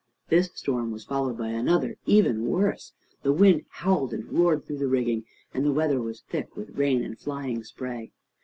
This storm was followed by another, even worse. The wind howled and roared through the rigging, and the weather was thick with rain and flying spray.